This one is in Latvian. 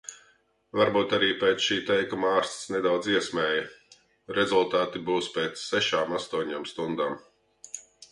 Varbūt arī pēc šī teikuma ārsts nedaudz iesmēja. Rezultāti būs pēc sešām-astoņām stundām.